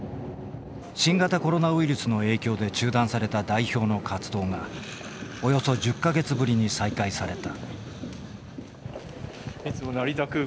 新型コロナウイルスの影響で中断された代表の活動がおよそ１０か月ぶりに再開された。